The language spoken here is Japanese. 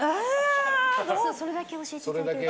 それだけ教えていただけると。